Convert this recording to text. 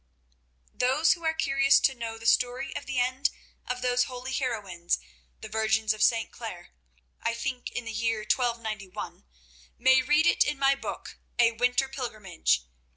Those who are curious to know the story of the end of those holy heroines, the Virgins of St. Clare, I think in the year 1291, may read it in my book, "A Winter Pilgrimage," pp.